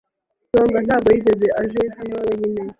Songa ntabwo yigeze aje hano wenyine.